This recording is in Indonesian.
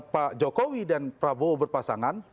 pak jokowi dan prabowo berpasangan